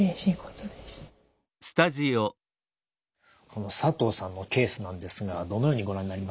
この佐藤さんのケースなんですがどのようにご覧になりますか。